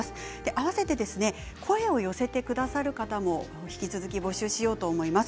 合わせて声を寄せてくださる方も引き続き、募集しようと思います。